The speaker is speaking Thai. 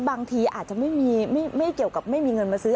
บางทีอาจจะไม่เกี่ยวกับไม่มีเงินมาซื้อ